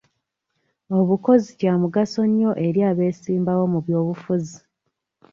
Obukozi Kya mugaso nnyo eri abesimbawo mu by'obufuzi.